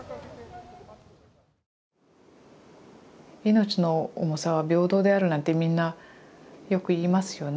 命の重さは平等であるなんてみんなよく言いますよね。